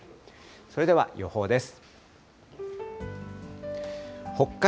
それでは予報です。